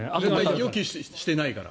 予期してないから。